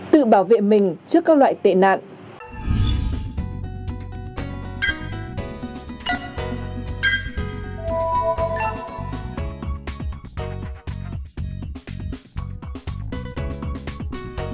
tự bảo vệ mình trước các loại tiêu diệt